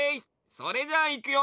それじゃあいくよ！